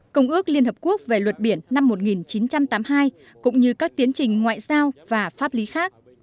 công ước liên hợp quốc về luật biển năm một nghìn chín trăm tám mươi hai cũng như các tiến trình ngoại giao và pháp lý khác